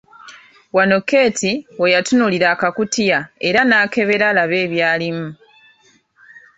Wano Keeti we yatunuulira akakutiya era n'akebera alabe ebyalimu.